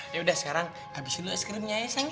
yaudah sekarang habisin dulu es krimnya ya sang ya